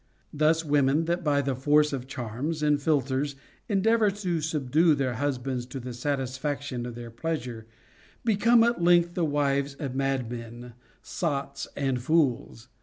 Thus women that by the force of charms and philters endeavor to subdue their husbands to the satisfaction of their pleas ure become at length the wives of madmen, sots, and fools.